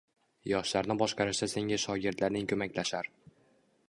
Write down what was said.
Yoshlarni boshqarishda senga shogirdlaring ko‘maklashar